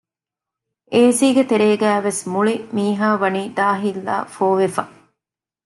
އޭސީގެ ތެރޭގައިވެސް މުޅި މީހާ ވަނީ ދާހިތްލާ ފޯވެފަ